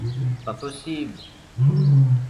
Pas possible !